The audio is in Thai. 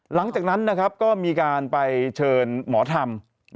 หลังจากนั้นก็มีการไปเชิญหมอธรรม